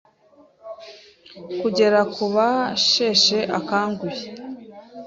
kugera ku basheshe akanguhe